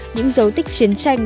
những dấu tích chiến tranh